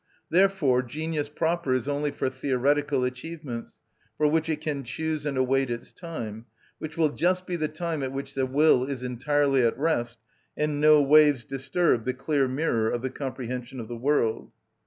Therefore genius proper is only for theoretical achievements, for which it can choose and await its time, which will just be the time at which the will is entirely at rest, and no waves disturb the clear mirror of the comprehension of the world.